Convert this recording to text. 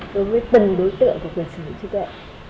từng đối tượng của quyền sử dụng trí tuệ